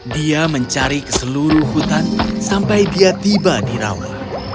dia mencari ke seluruh hutan sampai dia tiba di rawa